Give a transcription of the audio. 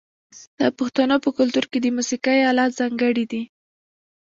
د پښتنو په کلتور کې د موسیقۍ الات ځانګړي دي.